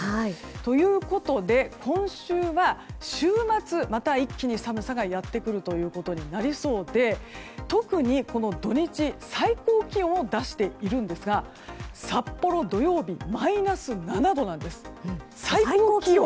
ということで今週は週末また一気に寒さがやってきそうで特に、この土日最高気温を出しているんですが札幌、土曜日は最高気温がマイナス７度なんです。